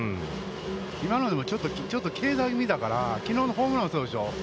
今のでもちょっと警戒ぎみだから、きのうのホームランもそうでしょう。